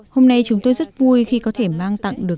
hôm nay chúng tôi rất vui khi có thể mang tặng được